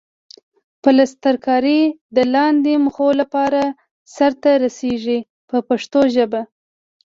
پلسترکاري د لاندې موخو لپاره سرته رسیږي په پښتو ژبه.